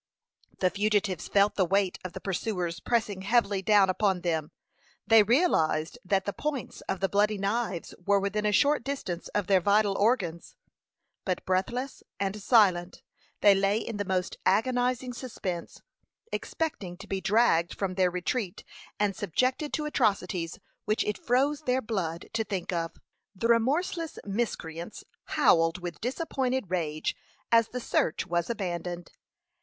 The fugitives felt the weight of the pursuers pressing heavily down upon them; they realized that the points of the bloody knives were within a short distance of their vital organs; but, breathless and silent, they lay in the most agonizing suspense, expecting to be dragged from their retreat, and subjected to atrocities which it froze their blood to think of. The remorseless miscreants howled with disappointed rage as the search was abandoned.